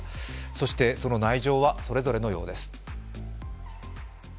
そして、その内情はそれぞれのようです。